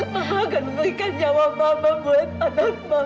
mama akan memberikan nyawa mama buat anak mama